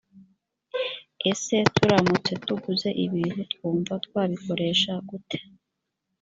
ese turamutse tuguze ibintu twumva twabikoresha gute.